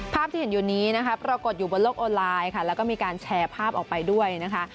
ภาพที่เห็นอยู่นี้นะคะปรากฏอยู่บนโลกออนไลน์ค่ะแล้วก็มีการแชร์ภาพออกไปด้วยนะคะ